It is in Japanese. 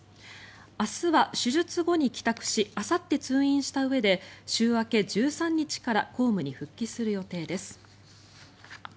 明日は手術後に帰宅しあさって通院したうえで週明け１３日から公務に復帰する予定です。